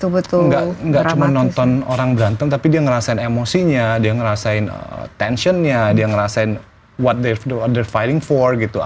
jadi penonton tuh gak cuma nonton orang berantem tapi dia ngerasain emosinya dia ngerasain tensionnya dia ngerasain what they're fighting for gitu